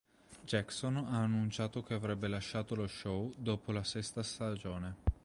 Jackson ha annunciato che avrebbe lasciato lo show dopo la sesta stagione.